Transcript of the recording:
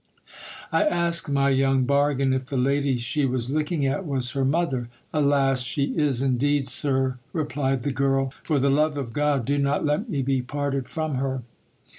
I asked my young, bargain if the lady she was looking at was her mother. Alas ! she is, indeed, sir, replied the girl ; for the love of God, do not let me be parted from her.